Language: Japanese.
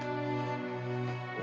お？